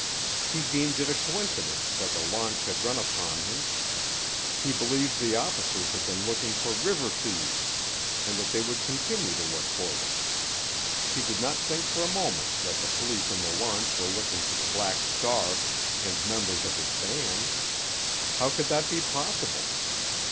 He deemed it a coincidence that the launch had run upon him. He believed the officers had been looking for river thieves, and that they would continue to look for them. He did not think for a moment that the police in the launch were looking for the Black Star and members of his band. How could that be possible?